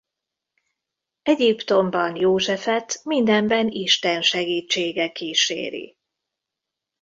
Egyiptomban Józsefet mindenben Isten segítsége kíséri.